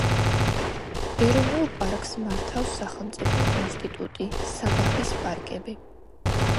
ეროვნულ პარკს მართავს სახელმწიფო ინსტიტუტი „საბაჰის პარკები“.